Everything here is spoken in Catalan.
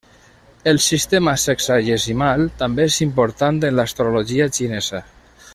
El sistema sexagesimal també és important en l'astrologia xinesa.